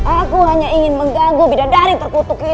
aku hanya ingin mengganggu bidadari terkutuk ini